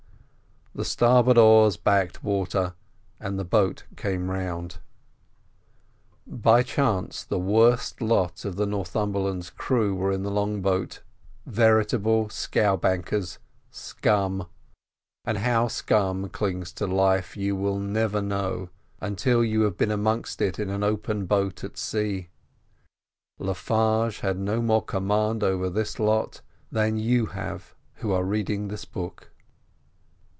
The starboard oars backed water, and the boat came round. By chance the worst lot of the Northumberland's crew were in the long boat—veritable "scowbankers," scum; and how scum clings to life you will never know, until you have been amongst it in an open boat at sea. Le Farge had no more command over this lot than you have who are reading this book.